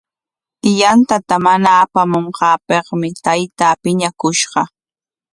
Yantata mana apamunqaapikmi taytaa piñakushqa.